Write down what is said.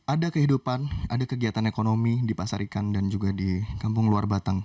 ada kehidupan ada kegiatan ekonomi di pasar ikan dan juga di kampung luar batang